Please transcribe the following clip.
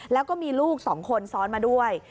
แล้วก็มีลูก๒คนซ้อนมาด้วย